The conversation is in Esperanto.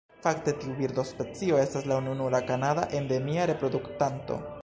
Fakte tiu birdospecio estas la ununura kanada endemia reproduktanto.